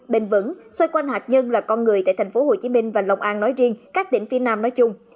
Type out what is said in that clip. bền vững xoay quanh hạt nhân là con người tại thành phố hồ chí minh và long an nói riêng các tỉnh phía nam nói chung